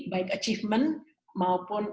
baik achievement maupun